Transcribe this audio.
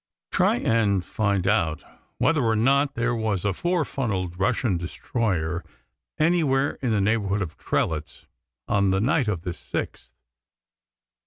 Try and find out whether or not there was a four funnelled Russian destroyer anywhere in the neighbourhood of Trelitz on the night of the 6th.